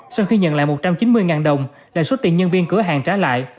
sau khi nhận lại một trăm chín mươi đồng lại xuất tiền nhân viên cửa hàng trả lại